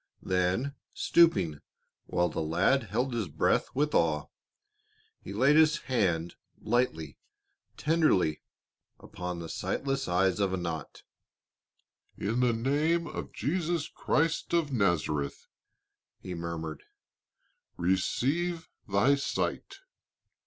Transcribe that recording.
Then stooping, while the lad held his breath with awe, he laid his hand lightly, tenderly, upon the sightless eyes of Anat. "In the name of Jesus Christ of Nazareth," he murmured, "receive thy sight."